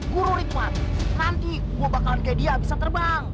guru ritman nanti gua bakalan kayak dia bisa terbang